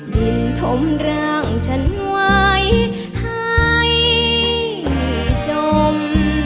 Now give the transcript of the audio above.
ดินถมร่างฉันไว้หายจม